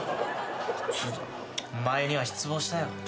お前には失望したよ。